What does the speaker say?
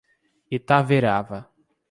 Itaverava